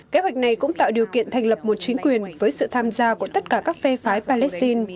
kế hoạch này cũng tạo điều kiện thành lập một chính quyền với sự tham gia của tất cả các phê phái palestine